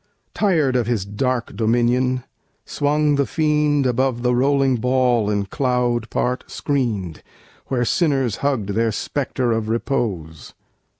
Tired of his dark dominion swung the fiend Above the rolling ball in cloud part screen'd, Where sinners hugg'd their spectre of repose.